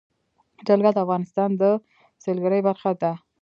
جلګه د افغانستان د سیلګرۍ برخه ده.